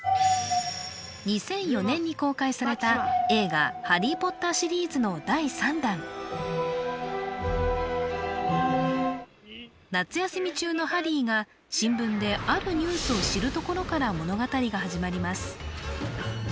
２００４年に公開された映画「ハリー・ポッター」シリーズの第３弾夏休み中のハリーが新聞であるニュースを知るところから物語が始まります